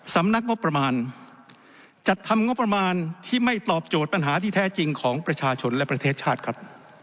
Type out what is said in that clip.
สำนักงบประมาณจัดทำงบประมาณที่ไม่ตอบโจทย์ปัญหาที่แท้จริงของประชาชนและประเทศชาติครับ